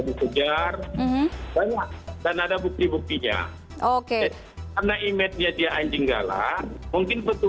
dipejar banyak dan ada bukti buktinya oke karena imej jadinya anjing galak mungkin petugas ini